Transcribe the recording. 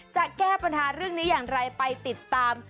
จะแก้ปัญหาเรื่องนี้อย่างไรไปติดตาม